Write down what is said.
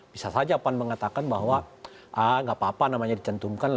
bisa saja pan mengatakan bahwa ah gapapa namanya dicentumkan